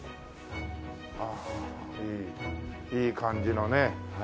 ああいいいい感じのね。